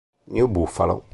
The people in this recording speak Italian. New Buffalo